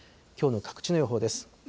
きょうの各地の予報です。